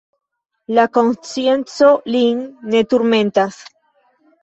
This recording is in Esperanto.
La konscienco lin ne turmentas.